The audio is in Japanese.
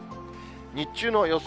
日中の予想